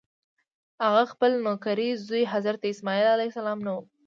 هغه خپل نوکرې زوی حضرت اسماعیل علیه السلام نه و.